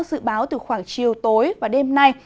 dự báo từ khoảng chiều tối và đêm nay